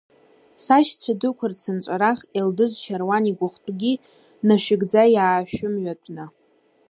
Сашьцәа дуқәа рцынҵәарах, Елдыз Шьаруан игәахәтәгьы нашәыгӡа иаашәымҩатәны.